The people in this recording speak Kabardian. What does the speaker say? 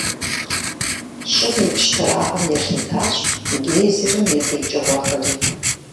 ЩӀым и пщтырагъым елъытащ гейзерым и къикӀыгъуэхэри.